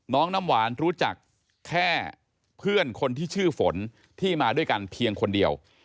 น้ำหวานรู้จักแค่เพื่อนคนที่ชื่อฝนที่มาด้วยกันเพียงคนเดียว